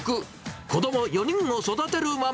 子ども４人を育てるママ。